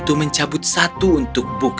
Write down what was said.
tuannya berbal anchong